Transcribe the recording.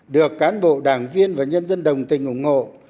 được cán bộ đảng viên và nhân dân đồng tình ủng hộ